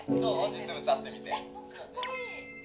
実物会ってみて」